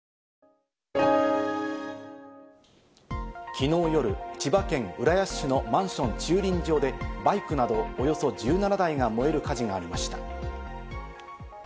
昨日夜、千葉県浦安市のマンション駐輪場で、バイクなどおよそ１７台が燃える火事がありました。